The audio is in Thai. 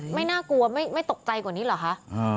ไม่น่ากลัวไม่ตกใจกว่านี้เหรอคะ